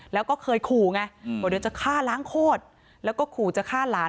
แล้วก็เคยขู่ไงว่าเดี๋ยวจะฆ่าล้างโคตรแล้วก็ขู่จะฆ่าหลาน